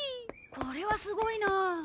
これはすごいな。